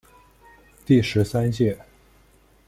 第十三届